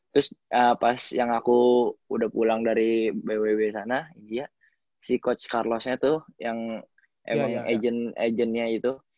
terus pas yang aku udah pulang dari bwb sana dia si coach carlos nya tuh yang emang agent agentnya gitu